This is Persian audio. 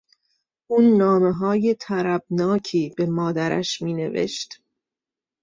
او نامههای طربناکی به مادرش مینوشت.